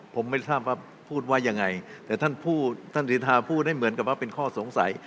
ผมไม่ทราบว่าพูดว่ายังไงแต่ท่านผู้ท่านสิทธาพูดให้เหมือนกับว่าเป็นข้อสงสัย